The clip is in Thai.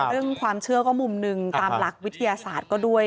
เรื่องความเชื่อก็มุมหนึ่งตามหลักวิทยาศาสตร์ก็ด้วย